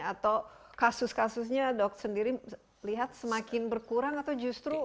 atau kasus kasusnya dok sendiri lihat semakin berkurang atau justru